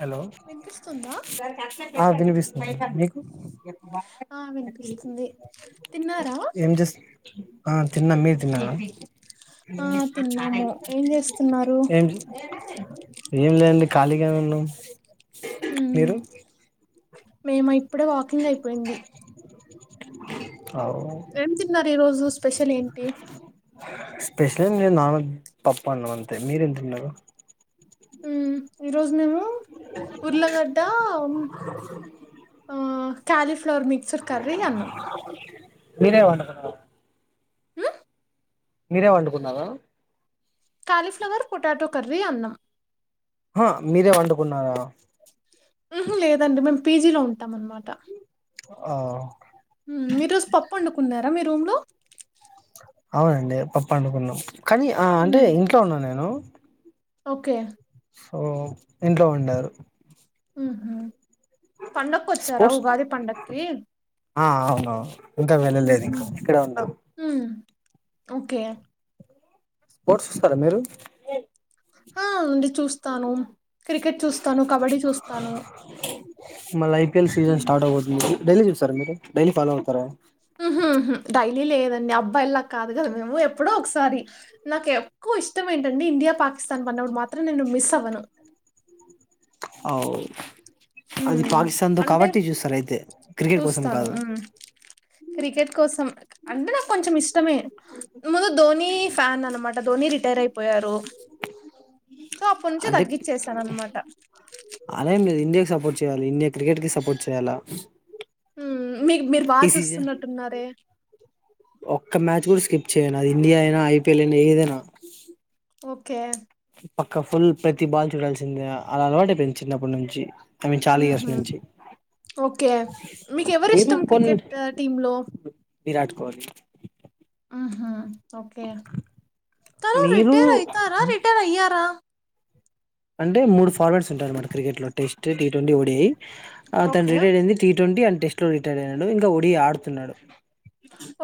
Hello వినిపిస్తుందా ఆ వినిపిస్తుంది మీకు ఆ వినిపిస్తుంది తిన్నారా ఏం జస్ ఆ తిన్నా మీరు తిన్నారా ఆ తిన్నాము ఏం చేస్తున్నారు ఏం జె ఏం లేదండి ఖాళీగానే ఉన్నాం మీరు మేమ ఇప్పుడే వాకింగ్ అయిపోయింది అవు ఏం తిన్నారు ఈ రోజు స్పెషల్ ఏంటి స్పెషలేం లేదు నార్మల్ పప్పన్నం అంతే మీరేమ్ దిన్నారు ఈ రోజు మేము ఉర్లగడ్డ ఆ కాలిఫ్లవర్ మిక్సర్ కర్రీ అన్నం మీరే వండకర మీరే వండుకున్నారా కాలీఫ్లవర్ పొటాటో కర్రీ అన్నం హ మీరే వండుకున్నారా ఊహు లేదండి మేము పీజీలో ఉంటాం అన్నమాట ఆ మ్ మీ రోజు పప్పు వండుకున్నారా మీ రూమ్ లో అవునండి పప్ప అండుకున్నాం కానీ ఆ అంటే ఇంట్లో ఉన్నా నేను ఒకే సో ఇంట్లో వండారు ఉహు పండక్కొచ్చారా స్పోర్ట్స్ ఉగాది పండక్కి ఆ అవునువు ఇంకా మ్మ్ వెళ్ళలేదు ఇంకా హ్మ్ ఇక్కడే ఉన్నాం మ్మ్ ఓకే స్పోర్ట్స్ చూస్తారా మీరు ఆహ్ ఉండి చూస్తాను. క్రికెట్ చూస్తాను. కబడ్డీ చూస్తాను. మళ్ళ ఐపీఎల్ సీజన్ స్టార్ట్ అవ్వబోతుంది. డైలీ చూస్తారా మీరు డైలీ ఫాలో అవుతార. ఉమ్ ఉహూ డైలీ లేదండి. అబ్బాయిలా కాదు కదా మేము ఎప్పుడో ఒకసారి నాకు ఎక్. ఇష్టమేంటండి ఇండియా పాకిస్తాన్ ఆన్నప్పుడు మాత్రం నేను మిస్ అవ్వను. అవ్. అది ఉమ్ పాకిస్థాన్ తో అంటే కాబట్టి చూస్తారు అయితే క్రికెట్ కోసం చూస్తాను కాదు. ఉమ్ క్రికెట్ కోసం. అంటే నాకు కొంచెం ఇష్టమే. ముందు ధోని ఫ్యాన్ అనమాట ధోని రిటైర్ అయిపోయారు. సో అప్పటి నుంచి అంటే తగ్గిచ్చేసాను అనమాట అలా ఏం లేదు ఇండియాకి సపోర్ట్ చే. చేయాలి ఇండియా క్రికెట్ కి సపోర్ట్ చేయాలా. మీరు మీరు బాగా ఈ సీజన్ చూస్తున్నట్టున్నారే. ఒక్క మ్యాచ్ కూడా స్కిప్ చేయను. అది ఇండియా అయినా ఐపీఎల్ అయినా ఏదైనా. ఓకే. పక్క ఫుల్ ప్రతి బాల్ చూడాల్సిందే అలా అలవాటు అయిపోయింది చిన్నప్పటి నుంచి. ఐ మీన్ చాలా ఇయర్స్ ఉహు నుంచి. ఓకే మీకు మీరు ఎవరిష్టం కొన్ క్రికెట్ టీమ్ లో. విరాట్ కోహ్లీ. ఆహ్ ఓకే తను మీరు రిటైర్ అయితారా రిటైర్ అయ్యారా. అంటే మూడు ఫార్మాట్స్ ఉంటాయి అన్నమాట క్రికెట్ లో టెస్ట్ టీ ట్వంటీ ఓడి అతను ఓకే. రిటైర్డ్ అయింది టీ. ట్వంటీ అండ్ టెస్ట్ లో రిటైర్ అయినాడు ఇంకా ఒడి ఆడుతున్నాడు.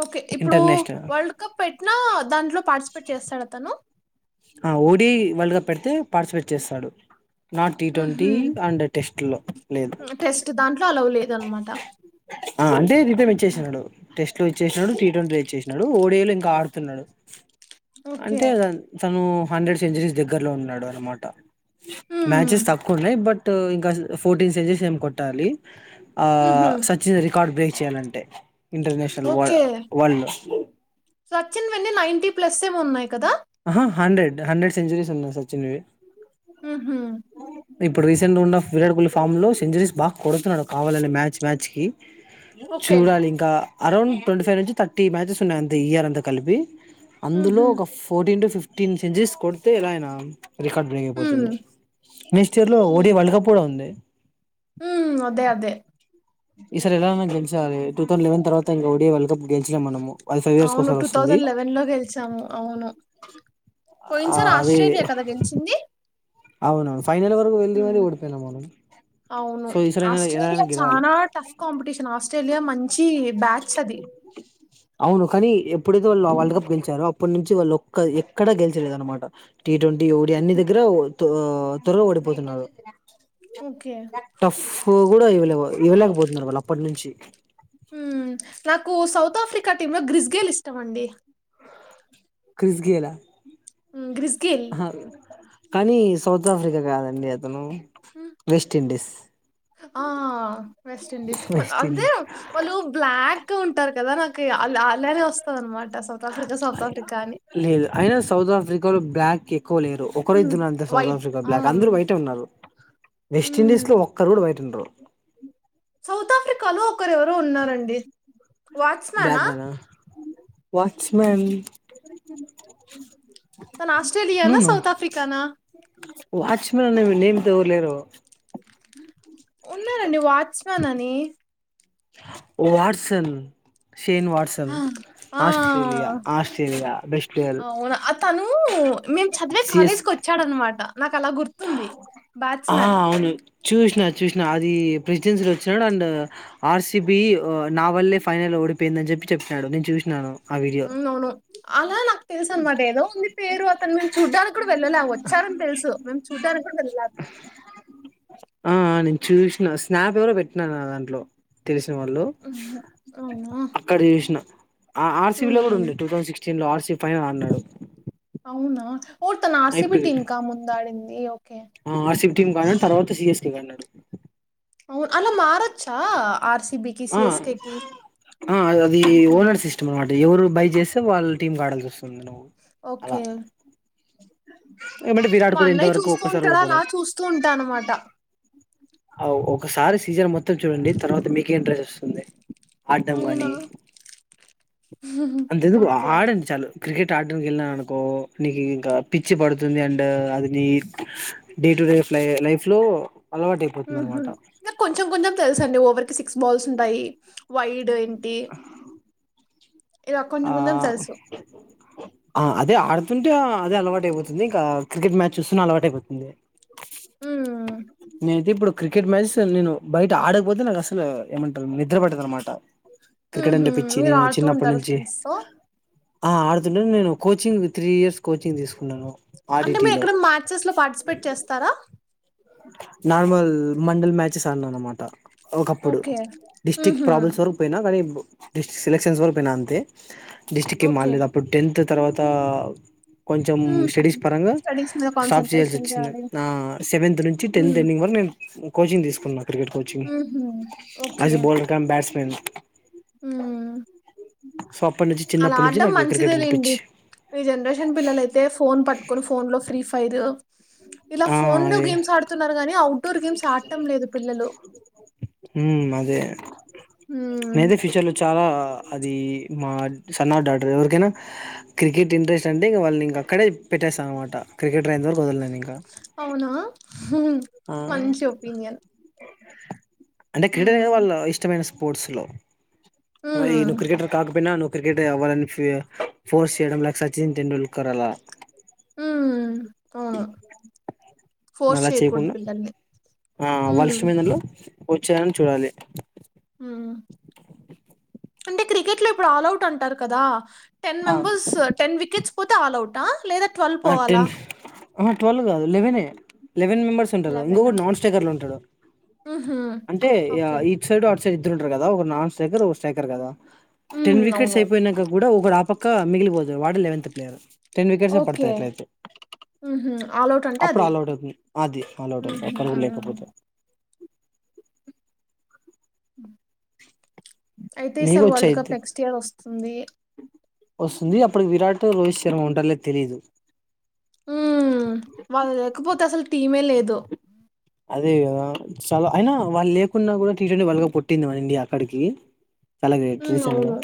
ఓకే ఇప్పుడు ఇంటర్నేషనల్ వరల్డ్ కప్ పెట్టినా దాంట్లో పార్టిసిపేట్ చేస్తాడా అతను. ఓడి వరల్డ్ కప్ పెడితే పార్టిసిపేట్ చేస్తాడు. నాట్ టీ ట్వంటీ హుహు. And test. వాటిల్లో. లేదు హ్మ్. టెస్ట్ దాంట్లో అలౌ లేదనమాట. ఆహ్ అంటే రిటైర్మెట్ హుహు. ఇచ్చేశాడు టెస్ట్. ఇచ్చేసినాడు టీ ట్వంటీ ఇచ్చేసినడు ఓడేళ్లు ఇంకా ఆడుతున్నాడు. ఓకే. టూ హండ్రెడ్ సెంచరీస్ దగ్గరలో ఉన్నాడు అనమాట మ్యాచెస్ హ్మ్. తక్కువ ఉన్నాయి బట్. ఇంకా ఫోర్టీన్ సెంచరీస్ ఏమో కొట్టాలి. హుహు. ఆహ్ సచిన్ రికార్డు బేక్. చేయాలంటే ఇంటర్నేషనల్ వర వరల్డ్ వ. సచ్చిన్ వెన్నీ నైంటీ ప్లస్ ఏమో ఉన్నాయి కదా. ఆహ్ హండ్రెడ్ హండ్రెడ్ సెంచురీస్ ఉన్నాయి సచిన్వి. ఉమ్మ్. ఇప్పుడు రీసెంట్ గా ఉన్న విరాట్ కోహ్లీ ఫార్మ్ లో సెంచురీస్ బాగా కొడుతున్నాడు కావాలనే మ్యాచ్ మ్యాచ్ కి. ఓకే. చూడాలి ఇంకా. అరౌండ్ ట్వంటీ ఫైవ్ నుంచి థర్టీ మ్యాచెస్ ఉన్నాయి అంతే ఇయర్ అంతా కలిపి అందులో హుహు. ఒక పో. టీన్ టు ఫిఫ్టీన్ సెంచరీస్ కొడితే ఎలానా. రికార్డ్ బ్రేక్ హ్మ్. అయిపోతుంది నెక్స్ట్ ఇయర్ లో ఓడి వరల్డ్ కప్ కూడా ఉంది. ఉమ్ అదే అదే. ఈ సారి ఎలైనా గెలిచాలి టూ దౌసెండ్ లెవన్ తర్వాత ఇండియా ఒడి వరల్డ్ కప్ గెలిచినం మనము. అది ఫైవ్ ఇయర్స్ అవును ఒకసారి టూ వస్తుంది థౌజండ్ లెవెన్ లో గెలిచాము అవును. ఆ పోయినసారి అదే ఆస్ట్రేలియా కదా గెలిచింది. అవునవును ఫైనల్ వరకు వెళ్లి మరి హ్మ్. ఓడిపోయినా మం. అవును ఆస్ట్రేలియా చాలా టఫ్ కాంపిటీషన్ ఆస్ట్రేలియా మంచి బ్యాచ్ అది. అవును కానీ. ఎప్పుడైతే వాళ్ళు ఆ వరల్డ్ కప్ గెలిచారో అప్పటి నుంచి వాళ్ళు ఒక్క ఎక్కడ గెలిచలేదు అనమాట టీ ట్వంటీ ఓడీ అన్ని దగ్గ. [unintelligible] తో త్వరగా ఓడిపోతున్నారు ఓకే. టఫ్ కూడా ఇవ్వలే వాళ్లు. ఇవ్వలేకపోతున్నారు వాళ్ళు అప్పటి నుంచి. ఉమ్ నాకు సౌత్ ఆఫ్రికా టీమ్ లో గ్రిస్గేల్ ఇష్టం అండి. క్రిస్గేలా హ్మ్. Chris Gayle. ఆహ్ కానీ. సౌత్ ఆఫ్రికా కాదండి అతను హ్మ్. వెస్ట్ ఇండీస్ ఆ వెస్ట్ ఇండీస్ కొ వెస్ట్ అంతే ఇండీస్ వాళ్ళు బ్లాక్ గా ఉంటార్ కదా నాకి అ అలానే వస్తా అనమాట్ ఆ లేలా లేదు అయినా సౌత్ ఆఫ్రికలో బ్లాక్ ఎ కోలేరు ఒకరు హ్మ్. ఇద్దరు ఉన్నారు అంతే సౌత్ వైట్. ఆఫ్రికా ఆ! బ్లాక్ అందరు వైటే ఉన్నారు వెస్ట్ ఇండీస్ లో హ్మ్. ఒక్కరు కూడా వైట్ ఉండరు సౌత్ ఆఫ్రికాలో ఒకరెవరు ఉన్నారండి వాచ్మెన్ బ్లాక్ ఆ గాన వాచ్మెన్ తను నో ఆస్ట్రేలియానా? నో సౌత్ ఆఫ్రికానా? వాచ్మెన్ నేను దూలేరు ఉన్నారండి వాచ్మెన్ అని వాట్సన్ షేన్ వాట్సన్ ఆ ఆ! ఆస్ట్రేలియా ఆస్ట్రేలియా బెస్ట్ ప్లేయల్ అవునా ఆ తను మేము చదివే కాలేజ్ కు వచ్చాడు అనమాట నాకు అలా గుర్తుంది ఆ బ్యాట్స్మెన్ అవును చూసినా చూసినా అది ప్రెసిడెన్సీలో వచ్చినాడు అండ్ ఆర్సిబి నా వల్లే ఫైనల్ ఓడిపోయిందని చెప్పి చెప్పినడు నేను చూసినాను ఆ వీడియో అవును అవును అలా నాకు తెలుసు అనమాట ఏదో ఉంది పేరు అతను మేము చూడ్డా కుడు వెళ్ళాలే ఆ వచ్చారని తెలుసు మేము చూడానికి కూడా వెళ్లా ఆ నేను చూసినా స్నాప్ ఎవరో పెట్టినారు నా దాంట్లో తెలిసి తే వాళ్ళు మ్మ్. అవునా అక్కడ చేసిన ఆ ఆర్సీబీలో కూడా మ్మ్. ఉండి టూ థౌసండ్ సిక్స్టీన్ లో ఆర్సీబీ ఫైనల్ అడినాడు అవునా ఓ తను ఆర్సీబీ టీమ్ కా ముందు ఆడింది ఓ ఆ ఆర్సిబి టీమ్ ఆడినాడు తర్వాత సీఎస్కే ఆడినాడు అవు అలా మారచ్చా ఆర్స్ ఆ అ అది అది ఓనర్ సిస్టమ్ వాడ్ దేవురు బై చేస్తే వాళ్ళ టీంకి ఆడాల్సి వస్తుంది నువ్వు అలా ఓకే ఏమంటే విరాట్ మా కోహ్లీ అన్నయ్య ఇంతవరకు చూస్తూ ఒక్కసారి ఉంటాడు కూడా పోలే అలా చూస్తూ ఉంటా అనమాట అ ఓ ఒకసారి సీజన్ మొత్తం చూడండి తర్వాత మీకే ఇంట్రెస్ట్ వస్తుంది ఆడమ్ అవునా కానీ అంత ఎందుకు ఓకే ఆడండి చాలు క్రికెట్ ఆడడం వెళ్ళినాను అనుకో నీకి ఇంకా పిచ్చి పడుతుంది అండ్ అది నీ డే టు రే ఫ్లయి లైఫ్ లో ఆహా అలవాటైపోతుందనమాట ఇంకా కొంచెం కొంచెం తెలుసు అండి ఓవర్ కి సిక్స్ బాల్స్ ఉంటాయి వైడ్ ఏంటి ఇలా ఆ కొంచెం కొంచెం తెలుసు ఆమ్ అదే ఆడుతుంటే అదే అలవాటు అయిపోతుంది ఇంకా క్రికెట్ మ్యాచ్ చూస్తున్న అలవాటు అయిపోతుంది ఉ నేనైతే ఇప్పుడు క్రికెట్ మ్యాచ్ అసలు నేను బయట ఆడకపోతే నాకు అసలు ఏమంటారు నిద్ర పట్టదు అన్నమాట క్రికెట్ ఊహూ. అంటే పిచ్చి మీరు నేను ఆడుతూ చిన్నప్పటి ఉంటారు నుంచి ఫ్రెండ్స్ తో ఆ ఆడుతుంటాను నేను కోచింగ్ త్రీ ఇయర్స్ కోచింగ్ తీసుకున్నాను అంటే మీరు ఆర్డిటీలో ఎక్కడ అన్ మ్యాచెస్ లో పార్టిసిపేట్ చేస్తారా నార్మల్ మండల్ మ్యాచెస్ ఆడిన అన్నమాట ఒకప్పుడు ఓకే డిస్టిక్ ఊహూ. ప్రాబ్లమ్స్ వరకు పోయినా కానీ ఇబు డిస్ సెలెక్షన్స్ వరకు పోయిన అంతే డిస్ట్రిక్ ఏం ఓకే మారలేదు అప్పుడు టెన్త్ తరువాత కొంచెం మ్మ్. స్టడీస్ పరంగా స్టడీస్ మీద స్టాప్ చేయాల్సి కాన్సన్ట్రేషన్ వచ్చింది చేయాలి నా సెవెంత్ నూన్ టెన్త్ మ్మ్. ఎన్నింగ్ వన్ నీన్ కోచింగ్ తీసుకున్నా క్రికెట్ కోచింగ్ ఊహూ. As a bowler cum batsman who so అప్పటి నుంచి అలా చిన్నప్పటి నుంచి ఆడం నాకు మంచిదే క్రికెట్ అంటే లేండి పిచ్చి ఈ జనరేషన్ పిల్లలైతే ఫోన్ పట్టుకొని ఫోన్ లో ఫ్రీ ఫు పైదో ఇలా ఆ ఫోన్ లో అదే గేమ్స్ ఆడుతున్నారు గానీ అవుట్ డోర్ గేమ్స్ ఆటం లేదు పిల్లలు ఉమ్ అదే హ్మ్ నదే ఫుచర్లో చా ఆ ఆ అది మా సన్న డాటర్ ఎవరికైనా క్రికెట్ ఇంట్రెస్ట్ అంటే వాళ్ళనింక కడే పెట్టస్థానానమాట క్రికెటర్యెంతవరకు వదలేదు ఇంకా అవునా హుమ్ ఆ మంచి ఒపీనియన్ అంటే క్రికెట్ హ్మ్ వాళ్ళ ఇష్టమైన స్పోర్ట్స్ లో మరి హ్మ్ నువ్వు క్రికెటర్ కాకపోయినా నువు క్రికెటరీ అవ్వాలని ఫియ ఫోర్స్ చేయడంలే సచిన్ టెండూల్కర్ అలా హ్మ్ అవును ఫోర్స్ అలా చేయకూడదు చేయకుండా పిల్లల్ని ఆ వాళ్ల హ్మ్ ఇష్టమైనదానిలో వచ్చారని చూడాలి. ఆ అ అంటే క్రికెట్ లో ఇప్పుడు ఆల్ ఔట్ అంటారు కదా టెన్ ఆ మెంబెర్స్ టెన్ వికెట్స్ పోతే ఆల్ ఔట్ ఆ లేదా ట్వల్ పోవాలా? ఆహా టువల్ కాదు లేవేనే లెవెన్ మెంబర్స్ ఉంటారు. లెవెనా ఇంగోగడు నాన్ స్టైగర్ల ఉంటాడు. ఊహూ అంటే ఇగ ఓకే ఇట్ సైడ్ అట్ సైడ్ తిరుంటారు కదా ఒకరు నాన్ స్ట్రైకర్ ఒక స్ట్రైకర్ కదా టెన్ హ్మ్ వికెట్స్ అవును అయిపోయినంక కూడా ఒకరు ఆపక్ కా మిగిలిపోతాయ్ వాడే లెవెంత్ ప్లేయర్ టెన్ వికెట్స్ పడతాయ్ ఓకే అట్లైతే ఊహూ ఆల్ అవుట్ అంటే అప్పుడు అది ఆల్ ఔటవుతుంది అది ఆల్ ఔటంటే ఊహూ ఒకరు కూడా హ్మ్ లేకపోతే అయితే మీకు ఈసారి వరల్డ్ వచ్చయిద్ది కప్ నెక్స్ట్ ఇయర్ వస్తుంది. వస్తుంది. అప్పుడు విరాట్ రోహిత్ శర్మ ఉంటార్లేదో తెలీదు ఉమ్ వాళ్ళు లేకపోతే అసలు టీమే లేదు. అదే కదా చాలా అయినా వాళ్ళు లేకున్నా కూడా టీట్వంటీ వాల్గు కోట్టింది మన ఇండియా అక్కడికి చాలా గ్రేట్ హ్మ్ రీసెంట్గా అవును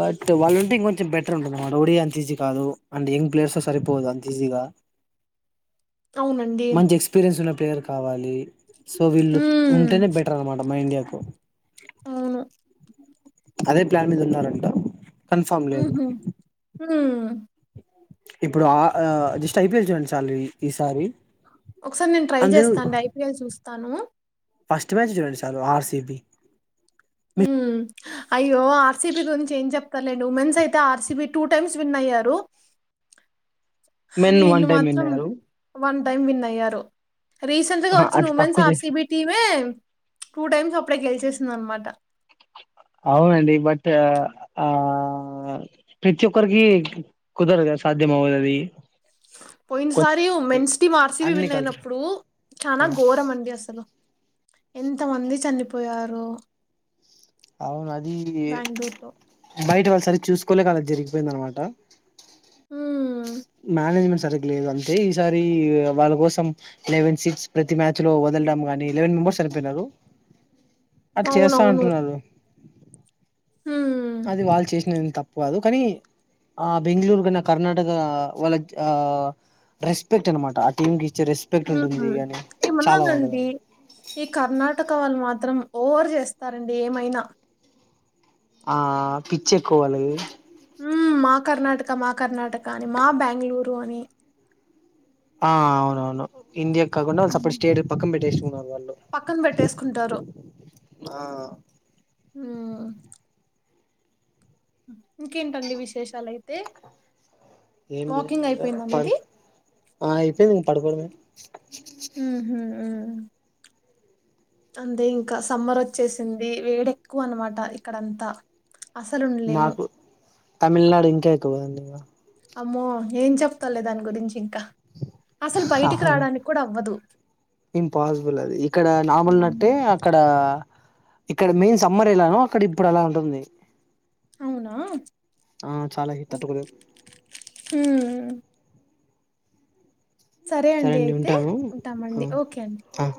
బట్ వాళ్ళుంటే ఇంకొంచం బెటర్ ఉంటుంది అన్నమాట ఒడి అంత ఈజీ కాదు అండ్ యంగ్ ప్లేయర్స్ సరిపోదు అంత ఈజీగా అవునన్ మంచి ఎక్స్పీరియన్సు ఉన్న ప్లేయర్ కావాలి. సో వీళ్ళు హ్మ్. ఉంటేనే బెటర్ అన్నమాట మన ఇండియాకు అవును. అదే ప్లాన్ మీద ఉన్నారంట కన్ఫామ్ లేద్ ఉమ్ ఇప్పుడు ఆ ఆ జస్ట్ ఐ పీ ఎల్ చూడండి చాలు ఈసారి ఒకసారి నేను ట్రై అందు చేస్తాను డై పీ ఎల్ చూస్తాను. ఫస్ట్ మ్యాచ్ చూడండి చాలు ఆర్ సి బి ఉమ్ అయ్యో ఆర్ సి బి గురించి ఏం చెప్తార్లెండి ఉమెన్స్ అయితే R C B two times win అయ్యారు. హ్ మెన్ వన్ వీళ్ళు టైమ్ మాత్రం విన్నారు వన్ టైం విన్ అయ్యారు. రీసెంట్ గా వచ్చిన అట్లా ఉమెన్స్ తక్కువ చే ఆర్ సి బీ టీమే టూ టైమ్స్ అప్పుడే గెల్చేసిందనమాట అవునండి బట్ ఆ ప్రతి ఒక్కరికి కుదరద్ గద్ సాధ్యమావదది. పోయినసారి women's team R C B అన్ని విన్ కల్చర్ అయినప్పుడు చానా గోరమండి. అసలు ఎంత మంది చనిపోయారో అవును అది బెంగుళూరులో. బైట్ వస్ అది చూసుకోలేక అలా జరిగిపోయిందానమాట హ్మ్. మానేజ్మెంట్స్ రెగ్లేర్ అంతే ఈసారి వాళ్ళ కోసం లెవెన్ సీట్స్ ప్రతి మ్యాచ్ లో వదలడం గాని లెవెన్ చనిపోయినారు అది చేస్తా అవునవును. అంటున్నారు. హ్మ్. అది వాళ్ళు చేసిన తప్పు కాదు కానీ ఆ బెంగళూరు కన్నా కర్ణాటక వాళ్ళక్ ఆ రెస్పెక్ట్ అనమాట ఆ టీమ్ ది హ హ ఏ బాగుంటది ఉన్నాదండి ఈ కర్ణాటక వాళ్ళు మా త్రం ఓవర్ చేస్తారండి ఏమైనా ఆ పిచ్కేక్కువ వాళ్ళకి మా కర్ణాటక మా కర్ణాటక అని మా బెంగ్ళూరు అని ఆ అవునవును ఇండియా కాకుండా హ్మ్. సెపరేట్ స్టేట్ పక్కన పెట్టేసి పక్కన పెట్టేసుకుంటారు ఆ ఇంకేంటండి విశేషాలయితే ఏం లే ఇంగ ప ఆ అయితే పడుకోవడమే హ్మ్ హు మ్ అందే ఇంకా సమ్మర్ వచ్చేసింది వేడేక్కువ అనమాట ఇక్కడంతా అసలుండలేము. మాకు తమిళ్నాడు ఇంకా ఎక్కువ కదండి ఇంగ అమ్మో ఏం చెప్తాంలే దాని గురించి ఇంకా అస్సలు బయటికి అవును రావడానికి కూడా అవ్వదు ఇంపాసిబుల్ అది ఇక్కడ హ్మ్. నావునట్టే అక్కడ ఇక్కడ మెయిన్ సమ్మర్ ఎలానో అక్కడ ఇప్పుడు అలా ఉంటుంది అవునా ఆ చాలా హీట్ తట్టుకోలేమ్ హ్మ్. సరే అండి అయితే ఉంటామండి ఆ ఓకే అండి ఆ